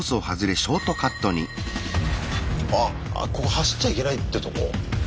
あっここ走っちゃいけないってとこ？